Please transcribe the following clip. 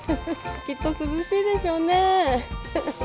きっと涼しいでしょうね。